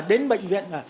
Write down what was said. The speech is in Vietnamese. đến bệnh viện mà